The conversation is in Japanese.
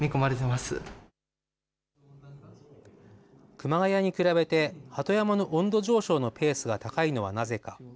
熊谷に比べて鳩山の温度上昇のペースが高いのはなぜか。